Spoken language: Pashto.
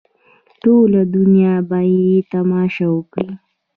ټوله دنیا به یې تماشه وکړي.